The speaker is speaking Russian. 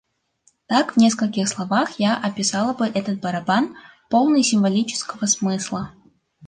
Так в нескольких словах я описала бы этот барабан, полный символического смысла.